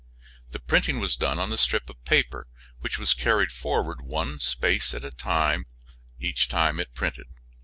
The printing was done on a strip of paper, which was carried forward one space each time it printed.